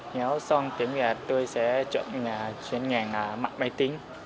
nếu xong tiếng việt tôi sẽ chọn chuyên ngành mạng máy tính